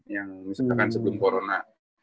yang misalkan sebelum corona